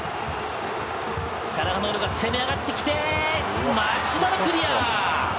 チャルハノールが攻め上がってきて、町田のクリア。